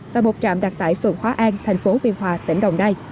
và một trạm đặt tại phường hóa an tp biên hòa tỉnh đồng nai